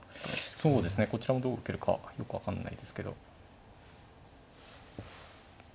そうですねこちらもどう受けるかよく分かんないですけど。